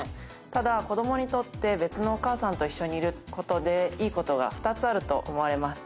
ただ、子どもにとって別のお母さんと一緒にいることで、いいことが２つあると思われます。